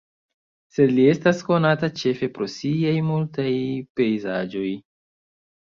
Sed li estas konata ĉefe pro siaj multaj pejzaĝoj.